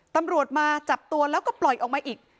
ตำรวจมาจับตัวแล้วก็ปล่อยออกมาอีก